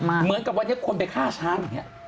เหมือนกับว่าวันนี้ควรไปฆ่าช้าง